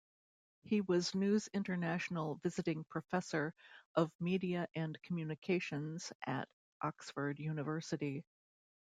He was News International Visiting Professor of Media and Communications at Oxford University.